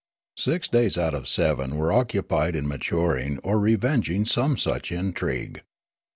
Six days out of seven were occupied in maturing or revenging some such intrigue.